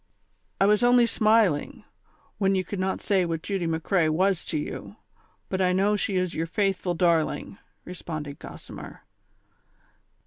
''I was only smiling, when you could not say what Judy McCrea was to you ; but I know she is your faithful dar ling," responded Gossimer.